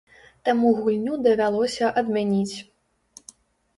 Таму гульню давялося адмяніць.